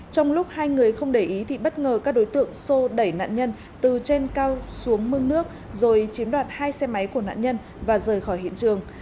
trong lúc hai người không để ý thì bất ngờ các đối tượng xô đẩy nạn nhân từ trên cao xuống mương nước rồi chiếm đoạt hai xe máy của nạn nhân và rời khỏi hiện trường